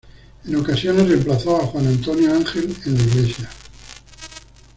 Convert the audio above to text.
En ocasiones reemplazó a Juan Antonio Ángel en la iglesia.